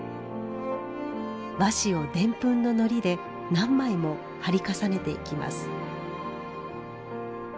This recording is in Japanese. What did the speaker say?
和紙をデンプンの糊で何枚も貼り重ねていきます。